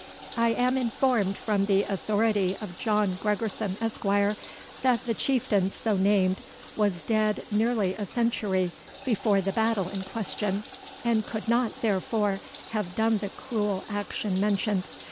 I am informed from the authority of John Gregorson, Esq., that the chieftain so named was dead nearly a century before the battle in question, and could not, therefore, have done the cruel action mentioned.